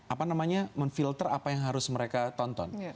apa namanya memfilter apa yang harus mereka tonton